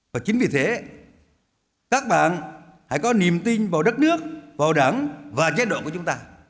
và chính vì thế các bạn hãy có niềm tin vào đất nước vào đảng và giai đoạn của chúng ta